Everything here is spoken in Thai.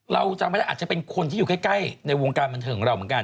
เราจำเป็นอาจจะเป็นคนที่อยู่ใกล้ใกล้ในวงการบรรเทิงเราเหมือนกัน